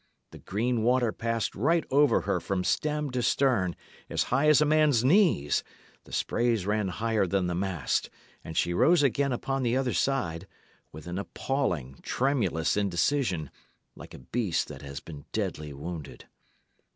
The green water passed right over her from stem to stern, as high as a man's knees; the sprays ran higher than the mast; and she rose again upon the other side, with an appalling, tremulous indecision, like a beast that has been deadly wounded.